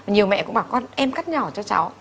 nhiều mẹ cũng bảo con em cắt nhỏ cho cháu